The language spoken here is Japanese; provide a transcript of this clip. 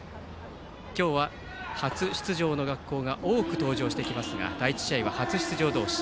今日は初出場の学校が多く登場していますが第１試合は初出場同士。